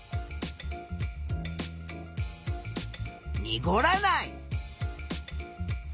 にごらない。